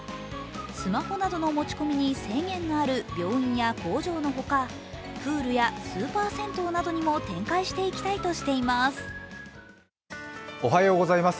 スマホなどの持ち込みに制限がある病院や工場のほかプールやスーパー銭湯などにも展開していきたいとしています。